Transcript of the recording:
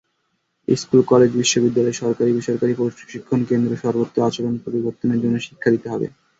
School, college, বিশ্ববিদ্যালয়, সরকারি-বেসরকারি প্রশিক্ষণ কেন্দ্র—সর্বত্র আচরণ পরিবর্তনের জন্য শিক্ষা দিতে হবে।